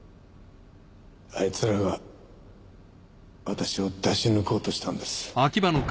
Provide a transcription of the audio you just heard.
あいつらが私を出し抜こうとしたんです。